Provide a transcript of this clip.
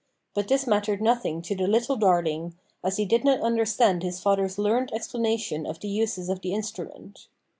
But this mattered nothing to the "little darling," as he did not understand his father's learned explanation of the uses of the instrument.